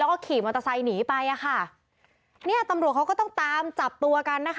แล้วก็ขี่มอเตอร์ไซค์หนีไปอ่ะค่ะเนี่ยตำรวจเขาก็ต้องตามจับตัวกันนะคะ